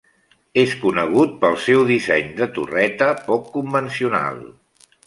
És conegut pel seu disseny de torreta poc convencional.